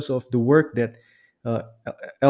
dalam hal kerja yang telah